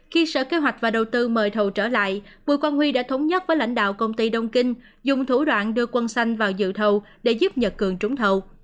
khi sở kế hoạch và đầu tư mời thầu trở lại bùi quang huy đã thống nhất với lãnh đạo công ty đông kinh dùng thủ đoạn đưa quân xanh vào dự thầu để giúp nhật cường trúng thầu